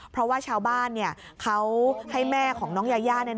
เพราะว่าชาวบ้านเขาให้แม่ของน้องยายา